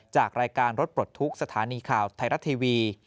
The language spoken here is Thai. จากรายการรถปลดทุกข์สถานีข่าวไทยรัฐทีวี